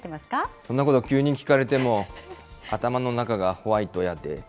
そんなこと急に聞かれても、頭の中がホワイトやで。